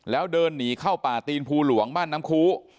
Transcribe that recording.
แล้วเดินหนีเข้าป่าตีนภูหลวงบ้านน้ำคู